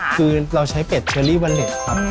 คือเราใช้เป็ดเชอรี่วันเด็กครับ